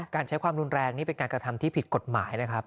การใช้ความรุนแรงนี่เป็นการกระทำที่ผิดกฎหมายนะครับ